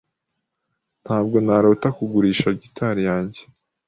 Ntabwo narota kugurisha gitari yanjye